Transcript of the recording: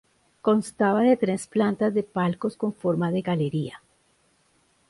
Constaba de tres plantas de palcos con forma de galería.